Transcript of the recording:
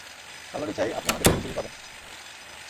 আল্লাহর ইচ্ছায় আপনি আমাকে ধৈর্যশীলই পাবেন।